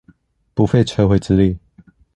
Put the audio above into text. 不費吹灰之力